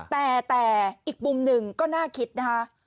แต่อีกมุมหนึ่งก็น่าคิดนะคะ